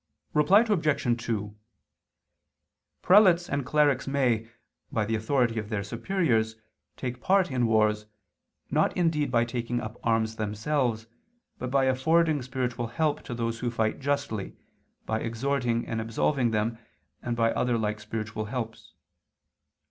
Reply Obj. 2: Prelates and clerics may, by the authority of their superiors, take part in wars, not indeed by taking up arms themselves, but by affording spiritual help to those who fight justly, by exhorting and absolving them, and by other like spiritual helps.